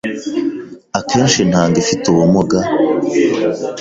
Akenshi intanga ifite ubumuga